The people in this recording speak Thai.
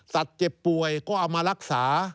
เจ็บป่วยก็เอามารักษา